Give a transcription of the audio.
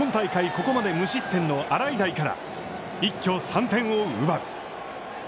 ここまで無失点の洗平から一挙３点を奪う。